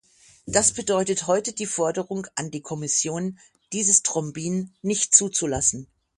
Das bedeutet heute die Forderung an die Kommission, dieses Thrombin nicht zuzulassen.